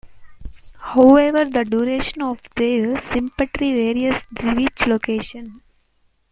However, the duration of their sympatry varies with location.